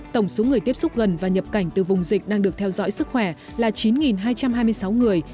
tổng số người tiếp xúc gần và nhập cảnh từ vùng dịch đang được theo dõi sức khỏe là chín hai trăm hai mươi sáu người